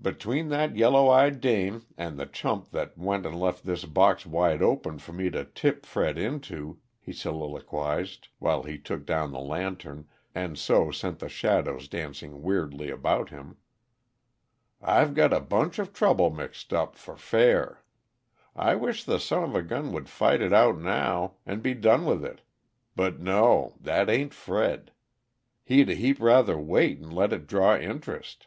"Between that yellow eyed dame and the chump that went and left this box wide open for me to tip Fred into," he soliloquized, while he took down the lantern, and so sent the shadows dancing weirdly about him, "I've got a bunch of trouble mixed up, for fair. I wish the son of a gun would fight it out now, and be done with it; but no, that ain't Fred. He'd a heap rather wait and let it draw interest!"